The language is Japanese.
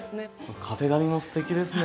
壁紙もすてきですね。